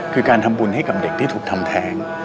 คือการทำบุญให้กับเด็กที่ถูกทำแท้ง